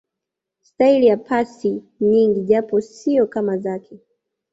staili ya pasi nyingi japo siyo kama zake